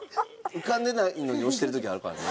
浮かんでないのに押してる時あるからね。